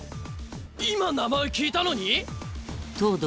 今名前聞いたのに⁉東堂